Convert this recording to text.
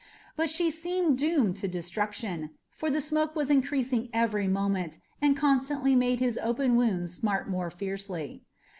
But she seemed doomed to destruction, for the smoke was increasing every moment, and constantly made his open wounds smart more fiercely.